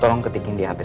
tolong ketikin di hp saya